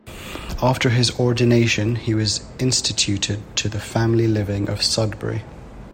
After his ordination he was instituted to the family living of Sudbury.